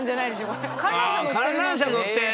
観覧車乗ってる。